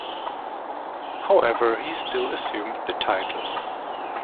However, he still assumed the title.